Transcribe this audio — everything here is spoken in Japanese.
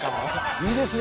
いいですね